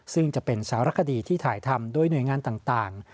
ซึ่งจะเป็นสารคดีที่ถ่ายทำโดยหน่วยงานต่าง